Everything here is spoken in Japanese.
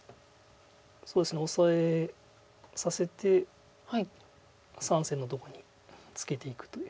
そうですねオサえさせて３線のとこにツケていくという。